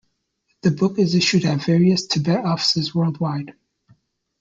The book is issued at various Tibet offices worldwide.